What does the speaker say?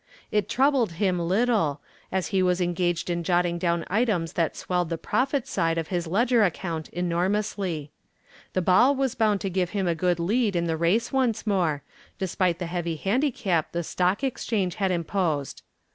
It troubled him little, as he was engaged in jotting down items that swelled the profit side of his ledger account enormously. The ball was bound to give him a good lead in the race once more, despite the heavy handicap the Stock Exchange had imposed.